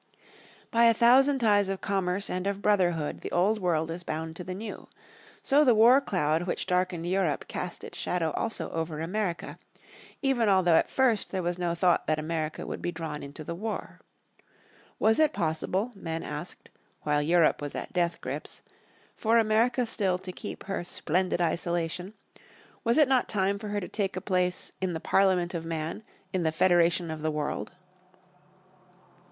By a thousand ties of commerce and of brotherhood the old world is bound to the new. So the war cloud which darkened Europe cast its shadow also over America, even although at first there was no thought that America would be drawn into the war. Was it possible, men asked, while Europe was at death grips, for America still to keep her "splendid isolation," was it not time for her to take a place, "In the Parliament of man, in the Federation of the world?"